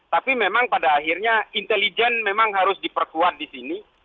tapi memang pada akhirnya intelijen memang harus diperkuat di sini